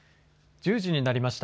１０時になりました。